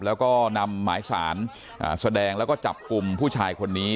แล้วก็นำหมายสารแสดงแล้วก็จับกลุ่มผู้ชายคนนี้